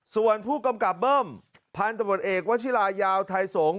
ส่วนผู้กำกับเบิ้มพันธบทเอกวชิลายาวไทยสงฆ